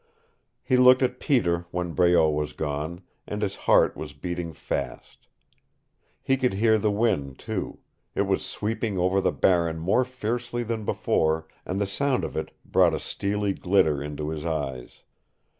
He looked at Peter when Breault was gone, and his heart was beating fast. He could hear the wind, too. It was sweeping over the Barren more fiercely than before, and the sound of it brought a steely glitter into his eyes.